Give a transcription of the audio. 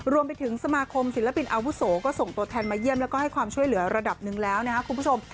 รวมไปถึงสมาคมศิลปินอาวุโสก็ส่งตัวแทนมาเยี่ยมแล้วก็ให้ความช่วยเหลือระดับหนึ่งแล้วนะครับคุณผู้ชม